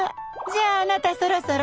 じゃあアナタそろそろ。